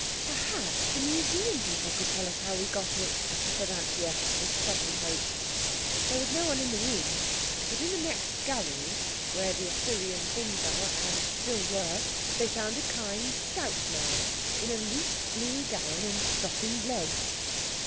"Perhaps the Museum people could tell us how we got it," said Anthea with sudden hope. There was no one in the room, but in the next gallery, where the Assyrian things are and still were, they found a kind, stout man in a loose, blue gown, and stockinged legs.